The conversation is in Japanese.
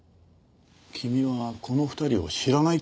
君はこの２人を知らないって言ったね？